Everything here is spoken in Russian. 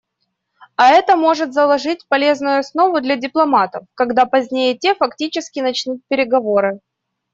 А это может заложить полезную основу для дипломатов, когда позднее те фактически начнут переговоры.